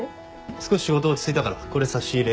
少し仕事落ち着いたからこれ差し入れ。